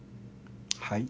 はい。